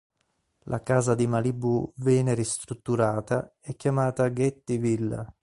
La casa di Malibù viene ristrutturata e chiamata "Getty Villa".